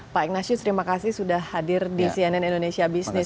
pak ignatius terima kasih sudah hadir di cnn indonesia business